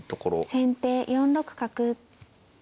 先手４六角。